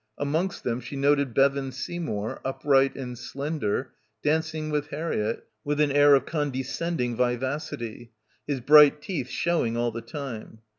Amongst them she noted Bevan Seymour, up right and slender, dancing with Harriett with an air of condescending vivacity, his bright teeth showing all the time.